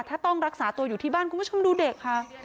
ถ้าต้องรักษาตัวอยู่ที่บ้านคุณผู้ชมดูเด็กค่ะ